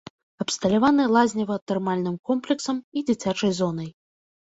Абсталяваны лазнева-тэрмальным комплексам і дзіцячай зонай.